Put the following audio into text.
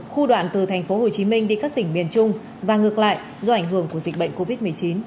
khu đoạn từ tp hcm đi các tỉnh miền trung và ngược lại do ảnh hưởng của dịch bệnh covid một mươi chín